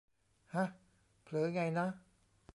ห๊ะ เผลอไงนะ